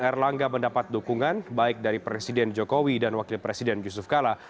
erlangga mendapat dukungan baik dari presiden jokowi dan wakil presiden yusuf kala